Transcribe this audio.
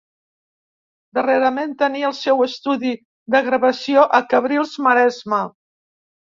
Darrerament tenia el seu estudi de gravació a Cabrils, Maresme.